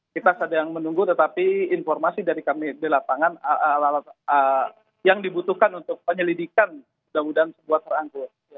kita sedang menunggu tetapi informasi dari kami di lapangan yang dibutuhkan untuk penyelidikan mudah mudahan sebuah terangkut